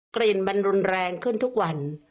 กลิ่นมันรุนแรงขึ้นทุกวัน